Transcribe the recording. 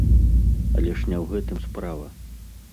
Але ж не ў гэтым справа.